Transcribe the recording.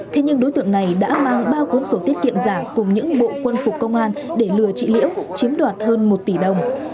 thế nhưng đối tượng này đã mang ba cuốn sổ tiết kiệm giả cùng những bộ quân phục công an để lừa chị liễu chiếm đoạt hơn một tỷ đồng